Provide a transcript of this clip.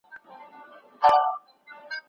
د لويي جرګې په خیمه کي مایکروفونونه چېرته دي؟